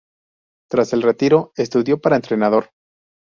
Tras el retiro, estudió para entrenador.